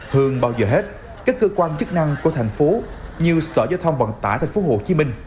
hơn bao giờ hết các cơ quan chức năng của thành phố như sở giao thông vận tải tp hcm